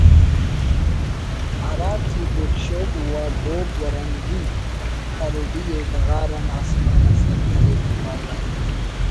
ہراٹی بوگ شوگ و بوگی ورند (پیروڈی) ءِ ڈغار آن آسمان آ سرکرے جبار یار